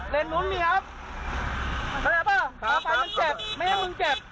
เลนส์นู้นหนึ่งครับได้หรือเปล่าครับมันเจ็บไม่ให้มันเจ็บ